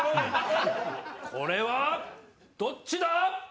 これはどっちだ？